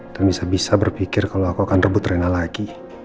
dan bisa bisa berpikir kalau aku akan rebut rena lagi